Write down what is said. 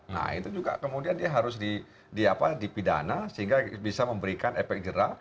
nah itu juga kemudian dia harus dipidana sehingga bisa memberikan efek jerah